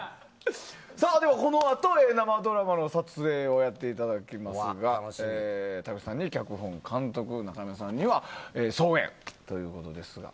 では、このあと生ドラマの撮影をやりますが田口さんに脚本・監督中山さんには操演ということで。